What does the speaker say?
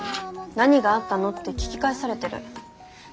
「何があったの」って聞き返されてる。